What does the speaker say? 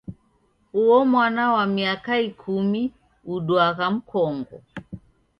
Uo mwana wa miaka ikumi uduagha mkongo.